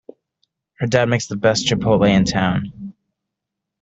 Her dad makes the best chipotle in town!